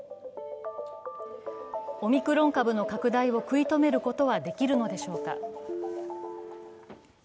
オミクロン株の拡大を食い止めることはできるのでしょうか？